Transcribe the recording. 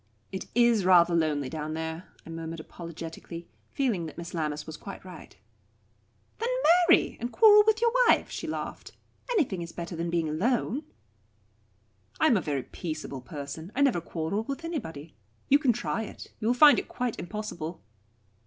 "It is rather lonely down there," I murmured apologetically, feeling that Miss Lammas was quite right. "Then marry, and quarrel with your wife," she laughed. "Anything is better than being alone." "I am a very peaceable person. I never quarrel with anybody. You can try it. You will find it quite impossible."